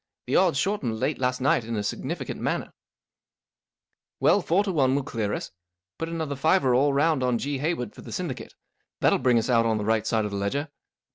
Tiie odds shortened late last night in a significant manner/' " Well, four to one will clear us. Put another fiver all round on G. Hayward for the syndicate. That 11 bring us out on the right side of the ledger."